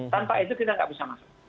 tanpa itu kita nggak bisa masuk